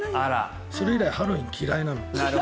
それ以来ハロウィーン嫌いなの。